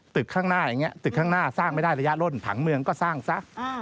ตึกข้างหน้าสร้างไม่ได้ระยะรถถังเมืองก็สร้างซะ